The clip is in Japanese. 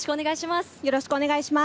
よろしくお願いします。